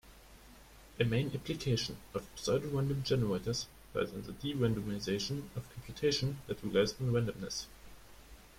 A main application of pseudorandom generators lies in the de-randomization of computation that relies on randomness.